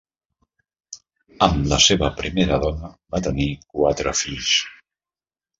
Amb la seva primera dona va tenir quatre fills.